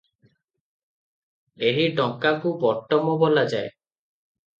ଏହି ଟଙ୍କାକୁ ବଟମ ବୋଲାଯାଏ ।